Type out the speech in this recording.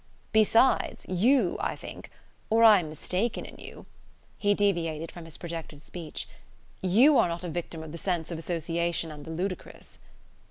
"Besides, you, I think, or I am mistaken in you" he deviated from his projected speech "you are not a victim of the sense of association and the ludicrous."